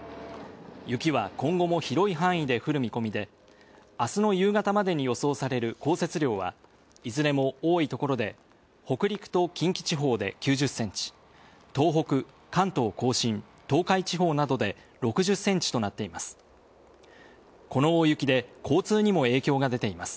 雪は今後も広い範囲で降る見込みで、明日の夕方までに予想される降雪量は、いずれも多い所で北陸と近畿地方で９０センチ、東北、関東甲信、東海地方などで６０センチとなっています。